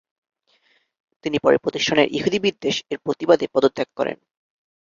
তিনি পরে প্রতিষ্ঠানের ইহুদিবিদ্বেষ এর প্রতিবাদে পদত্যাগ করেন।